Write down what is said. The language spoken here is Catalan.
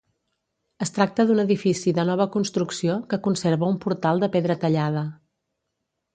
Es tracta d'un edifici de nova construcció que conserva un portal de pedra tallada.